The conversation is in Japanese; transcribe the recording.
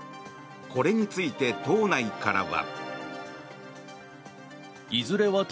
これについて党内からは。